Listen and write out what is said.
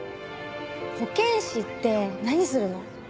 保健師って何するの？